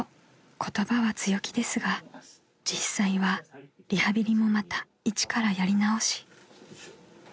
言葉は強気ですが実際はリハビリもまたいちからやり直し］